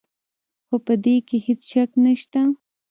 خو په دې کې هېڅ شک نشته.